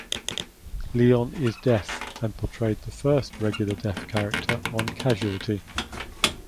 Leon is deaf and portrayed the first regular deaf character on "Casualty".